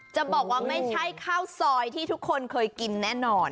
จะบอกว่าไม่ใช่ข้าวซอยที่ทุกคนเคยกินแน่นอน